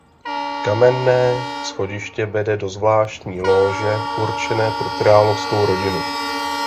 Kamenné schodiště vede do zvláštní lóže určené pro královskou rodinu.